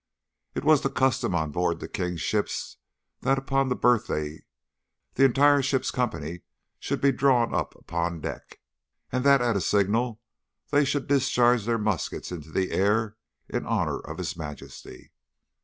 It was the custom on board the king's ships that upon his birthday the entire ship's company should be drawn up upon deck, and that at a signal they should discharge their muskets into the air in honour of his Majesty.